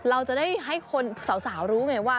เราจะได้ให้คนสาวรู้ไงว่า